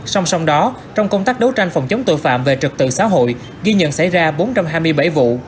song song đó trong công tác đấu tranh phòng chống tội phạm về trật tự xã hội ghi nhận xảy ra bốn trăm hai mươi bảy vụ